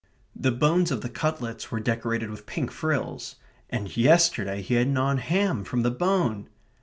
The bones of the cutlets were decorated with pink frills and yesterday he had gnawn ham from the bone!